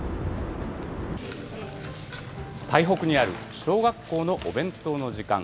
台北にある小学校のお弁当の時間。